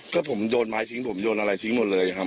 ก็ผมโยนไม้ทิ้งผมโยนอะไรทิ้งหมดเลยครับ